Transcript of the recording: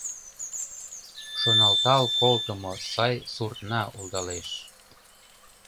Шоналтал колтымо сай суртна улдалеш